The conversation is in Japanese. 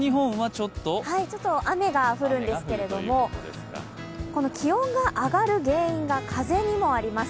ちょっと雨が降るんですけども、この気温が上がる原因が風にもあります。